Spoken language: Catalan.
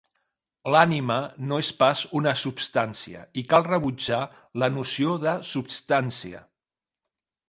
L'ànima no és pas una substància, i cal rebutjar la noció de substància.